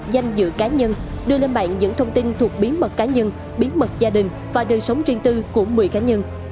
danh dự cá nhân đưa lên bạn những thông tin thuộc bí mật cá nhân bí mật gia đình và đời sống riêng tư của một mươi cá nhân